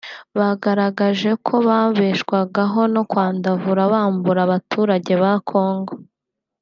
Bagaragaje ko babeshwagaho no kwandavura bambura abaturage ba Congo